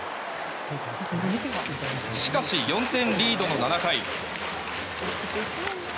しかし、４点リードの７回。